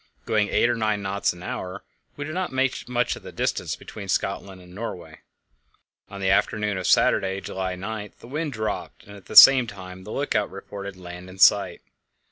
Going eight or nine knots an hour, we did not make much of the distance between Scotland and Norway. On the afternoon of Saturday, July 9, the wind dropped, and at the same time the lookout reported land in sight.